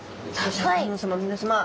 シャーク香音さま皆さま。